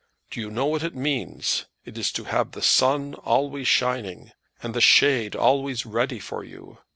Do you know what it means? It is to have the sun always shining, and the shade always ready for you.